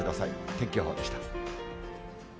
天気予報でした。